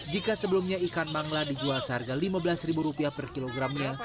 jika sebelumnya ikan mangla dijual seharga lima belas ribu rupiah per kilogramnya